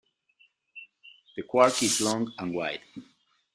The Quark is long and wide.